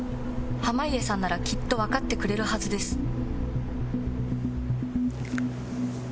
濱家さんならきっとわかってくれるはずです。